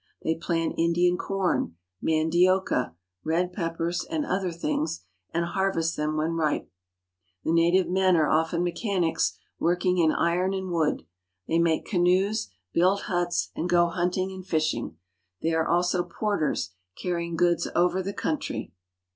They plant Indian corn, mandioca, red peppers, and other things, and harvest them when ripe. The native men are often mechanics, working in iron and wood. They make canoes, build huts, and go hunting and fishing. They are also porters, carrying goods over the country.